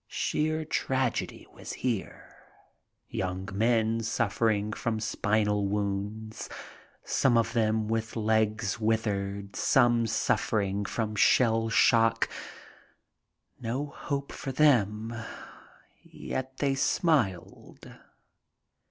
Sheer tragedy was here. Young men suffering from spinal wounds, some of them with legs withered, some suffering from shell shock. No hope for them, yet they smiled.